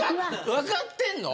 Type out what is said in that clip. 分かってるの。